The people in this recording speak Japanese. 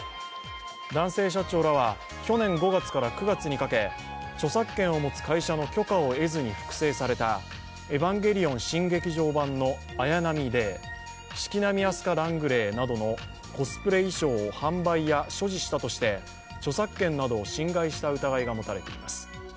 男性社長らは去年５月から９月にかけ著作権を持つ会社の許可を得ずに複製された「ヱヴァンゲリヲン新劇場版」の綾波レイ、式波・アスカ・ラングレーなどのコスプレ衣装を販売や所持したとして著作権などを侵害した疑いが持たれています。